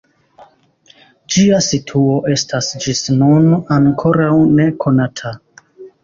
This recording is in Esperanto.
Ĝia situo estas ĝis nun ankoraŭ nekonata.